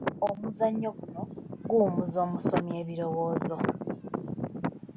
Omuzannyo guno guwummuza omusomi ebirowoozo.